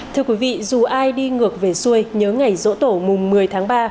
thưa quý vị dù ai đi ngược về xuôi nhớ ngày rỗ tổ mùng một mươi tháng ba